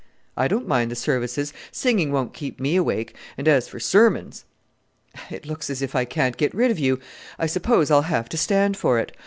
"I don't mind the services: singing won't keep me awake; and as for sermons!..." "It looks as if I can't get rid of you. I suppose I'll have to stand for it!